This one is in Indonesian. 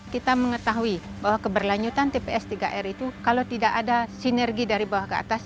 kita mengetahui bahwa keberlanjutan tps tiga r itu kalau tidak ada sinergi dari bawah ke atas